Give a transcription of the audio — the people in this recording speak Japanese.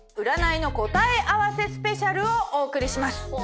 占いの答え合わせスペシャルをお送りします。